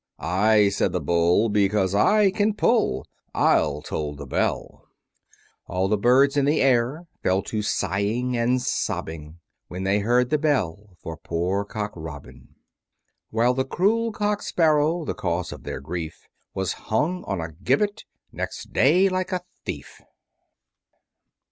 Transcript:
I, said the Bull, Because I can pull, I'll toll the bell. All the birds in the air Fell to sighing and sobbing When they heard the bell For poor Cock Robin. While the cruel Cock Sparrow, The cause of their grief, Was hung on a gibbet Next day, like a thief.